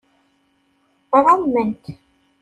Ɛument.